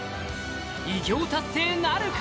偉業達成なるか？